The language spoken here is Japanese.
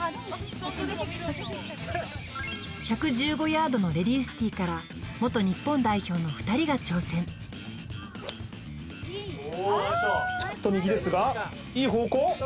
１１５ヤードのレディースティーから元日本代表の２人が挑戦ちょっと右ですがいい方向